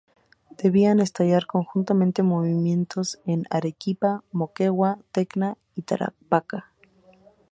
Debían estallar conjuntamente movimientos en Arequipa, Moquegua, Tacna y Tarapacá.